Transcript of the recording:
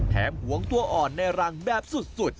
หวงตัวอ่อนในรังแบบสุด